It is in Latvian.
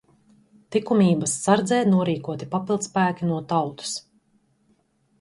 Tikumības sardzē norīkoti papildspēki no tautas.